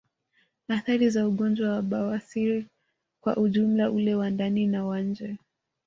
Athari za ugonjwa wa bawasiri kwa ujumla ule wa ndani na wa nje